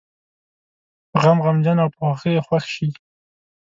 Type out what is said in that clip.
په غم غمجن او په خوښۍ یې خوښ شي.